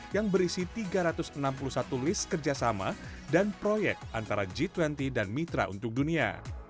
yang berisi tiga ratus enam puluh satu list kerjasama dan proyek antara g dua puluh dan mitra untuk dunia